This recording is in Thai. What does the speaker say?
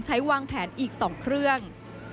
วางแผนอีก๒เครื่อง